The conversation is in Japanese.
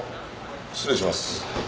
失礼します。